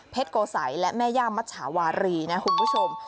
โกสัยและแม่ย่ามัชชาวารีนะคุณผู้ชม